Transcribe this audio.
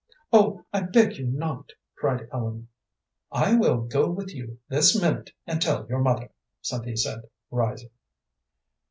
"Oh, I beg you not!" cried Ellen. "I will go with you this minute and tell your mother," Cynthia said, rising.